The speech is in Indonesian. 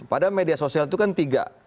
padahal media sosial itu kan tiga